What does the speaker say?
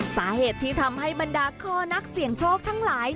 สาเหตุที่ทำให้บรรดาคอนักเสี่ยงโชคทั้งหลาย